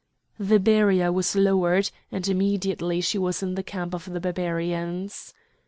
The barrier was lowered, and immediately she was in the camp of the Barbarians.